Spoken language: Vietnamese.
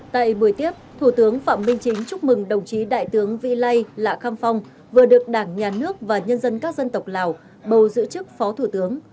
tại buổi tiếp thủ tướng phạm minh chính chúc mừng đồng chí đại tướng vi lây lạ kham phong vừa được đảng nhà nước và nhân dân các dân tộc lào bầu giữ chức phó thủ tướng